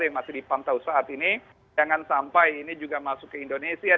yang masih dipantau saat ini jangan sampai ini juga masuk ke indonesia